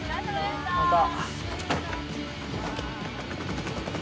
また。